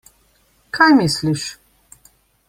Kaj misliš?